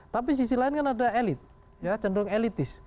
tapi sisi lain kan ada elit ya cenderung elitis